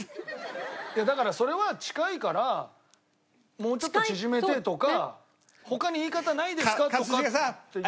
いやだからそれは近いから「もうちょっと縮めて」とか「他に言い方ないですか？」とか。